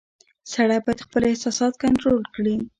• سړی باید خپل احساسات کنټرول کړي.